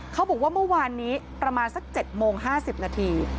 เขาบอกว่าเมื่อวานนี้ประมาณสัก๗โมง๕๐นาที